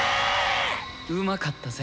うまかったぜ。